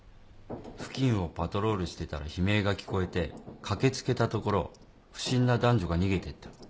付近をパトロールしてたら悲鳴が聞こえて駆け付けたところ不審な男女が逃げてった。